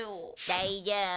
大丈夫。